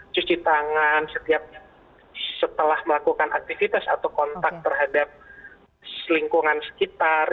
cuci tangan setelah melakukan aktivitas atau kontak terhadap lingkungan sekitar